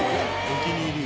お気に入り。